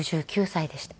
６９歳でした。